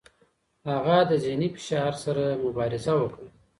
هغه د ذهني فشار سره مبارزه وکړه.